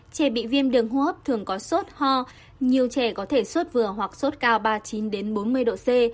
trẻ bị viêm đường hô hấp thường có sốt ho nhiều trẻ có thể suốt vừa hoặc sốt cao ba mươi chín bốn mươi độ c